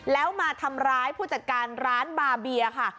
แล้วมาทำร้ายผู้จัดการร้านบาเบียค่ะ